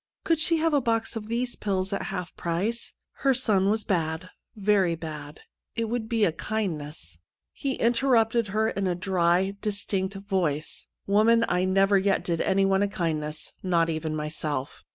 Could she have a box of these pills at half price .'' Her son was bad, very bad. It would be a kindness. 103 THE END OF A SHOW He interrupted her in a dry, dis tinct voice :' Woman, I never yet did anyone a kindness, not even myself.'